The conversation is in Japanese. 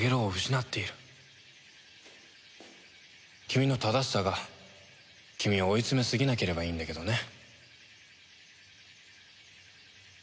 君の正しさが君を追い詰めすぎなければいいんだけどね。